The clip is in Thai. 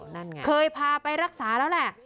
นั่นไงเคยพาไปรักษาแล้วแหละ